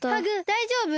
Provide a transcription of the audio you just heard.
だいじょうぶ？